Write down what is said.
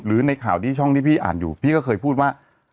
ในข่าวที่ช่องที่พี่อ่านอยู่พี่ก็เคยพูดว่า